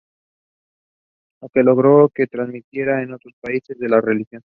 Lo que logró que se transmitiera en otros países de la región.